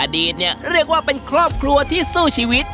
เนี่ยเรียกว่าเป็นครอบครัวที่สู้ชีวิต